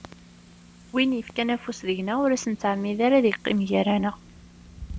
Win yefkan afus deg-neɣ ur as-nettɛemmid ara ad yeqqim gar-aneɣ.